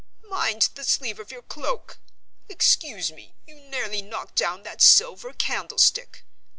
"Mind the sleeve of your cloak! Excuse me, you nearly knocked down that silver candlestick.